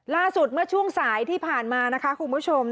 ล่าสุดเมื่อช่วงสายที่ผ่านมานะคะคุณผู้ชม